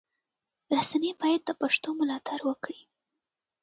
رسنی باید د پښتو ملاتړ وکړي.